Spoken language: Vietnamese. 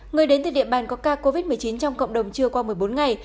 người đến từ địa bàn có ca covid một mươi chín trong cộng đồng chưa qua một mươi bốn ngày